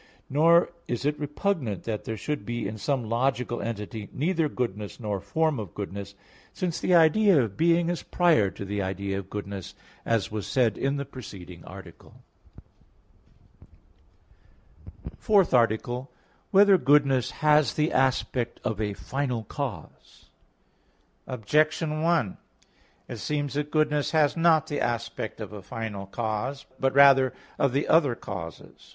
Nor is it repugnant that there should be in some logical entity neither goodness nor form of goodness; since the idea of being is prior to the idea of goodness, as was said in the preceding article. _______________________ FOURTH ARTICLE [I, Q. 5, Art. 4] Whether Goodness Has the Aspect of a Final Cause? Objection 1: It seems that goodness has not the aspect of a final cause, but rather of the other causes.